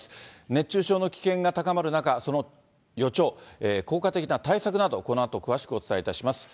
熱中症の危険が高まる中、その予兆、効果的な対策など、このあと詳しくお伝えいたします。